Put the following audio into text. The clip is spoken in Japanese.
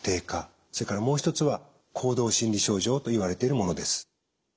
それからもう一つは行動・心理症状といわれているものです。